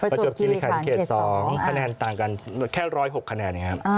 ประจบคิริคันเขต๒คะแนนต่างกันแค่๑๐๖คะแนน